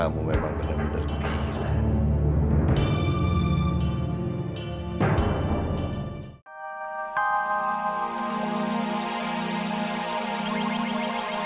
kamu memang benar benar terkehilang